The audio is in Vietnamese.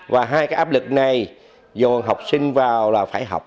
và hai cái áp lực này dồn học sinh vào là phải học